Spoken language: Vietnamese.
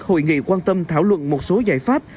hội nghị quan tâm thảo luận một số giải pháp